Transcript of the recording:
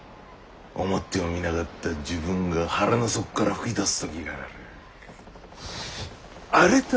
思ってもみなかった自分が腹の底からふき出す時がある。